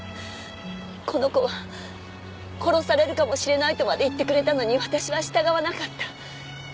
この子は「殺されるかもしれない」とまで言ってくれたのに私は従わなかった。